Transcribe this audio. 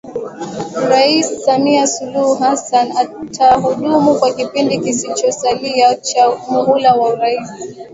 Rais Samia Suluhu Hassan atahudumu kwa kipindi kilichosalia cha muhula wa urais